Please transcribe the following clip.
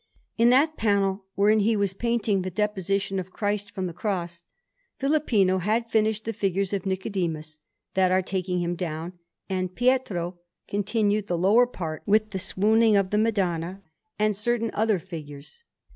In that panel, wherein he was painting the Deposition of Christ from the Cross, Filippino had finished the figures of Nicodemus that are taking Him down; and Pietro continued the lower part with the Swooning of the Madonna, and certain other figures.